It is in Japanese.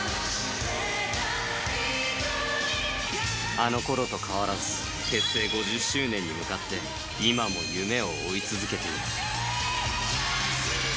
あのころと変わらず、結成５０周年に向かって、今も夢を追い続けている。